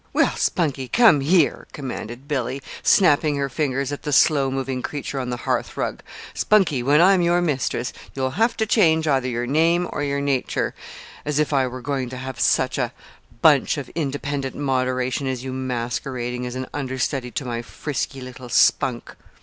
"Well, Spunkie, come here," commanded Billy, snapping her fingers at the slow moving creature on the hearthrug. "Spunkie, when I am your mistress, you'll have to change either your name or your nature. As if I were going to have such a bunch of independent moderation as you masquerading as an understudy to my frisky little Spunk!"